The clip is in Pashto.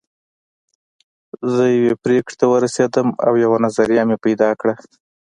زه يوې پرېکړې ته ورسېدم او يوه نظريه مې پيدا کړه.